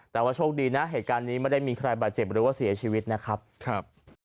แต่ว่าโชคดีนะเหตุการณ์นี้ไม่ได้มีใครบาดเจ็บหรือว่าเสียชีวิตนะครับครับ